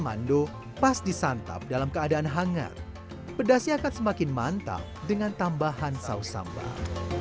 mando pas disantap dalam keadaan hangat pedasnya akan semakin mantap dengan tambahan saus sambal